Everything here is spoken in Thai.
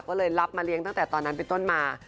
ก็เลยรับมาเลี้ยงตั้งแต่ตอนนั้นเป็นต้นมา